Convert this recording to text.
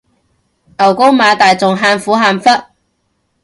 牛高馬大仲喊苦喊忽